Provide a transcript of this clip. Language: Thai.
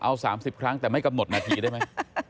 เอา๓๐ครั้งแต่ไม่กำหนดนาทีได้ไหม